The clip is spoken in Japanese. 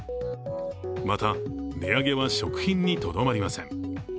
また、値上げは食品にとどまりません。